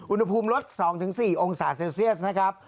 อุณหภูมิลด๒๔องศาเซลเซียสนะครับ